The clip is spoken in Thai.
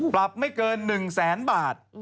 ปรับไม่เกิน๑แสนบาท